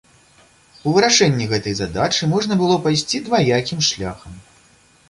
У вырашэнні гэтай задачы можна было пайсці дваякім шляхам.